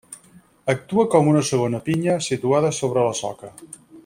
Actua com una segona pinya situada sobre la soca.